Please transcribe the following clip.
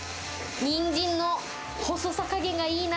ニンジンの細さ加減がいいな。